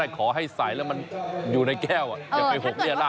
อย่างขอให้ใส่แล้วมันอยู่ในแก้วจะไปหกเรียดร้าน